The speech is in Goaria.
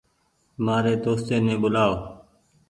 مآريِ دوستي ني ٻولآئو۔